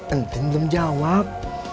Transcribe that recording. entin belum jawab